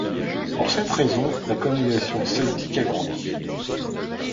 Pour cette raison, la colonisation celtique a grandi.